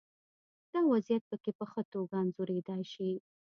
دا وضعیت پکې په ښه توګه انځورېدای شي.